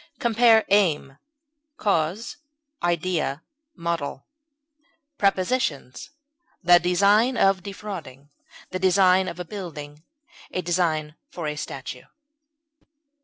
Compare AIM; CAUSE; IDEA; MODEL. Prepositions: The design of defrauding; the design of a building; a design for a statue.